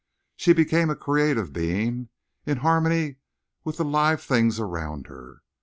She became a creative being, in harmony with the live things around her.